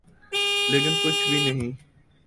لیکن کچھ بھی نہیں۔